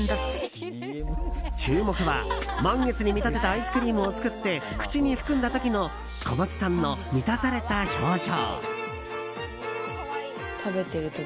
注目は満月に見立てたアイスクリームをすくって、口に含んだ時の小松さんの満たされた表情。